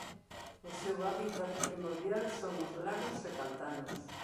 O seu hábitat primordial son os lagos e pantanos.